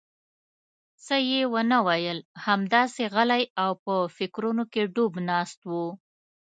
څه یې ونه ویل، همداسې غلی او په فکرونو کې ډوب ناست و.